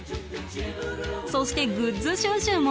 そしてグッズ収集も。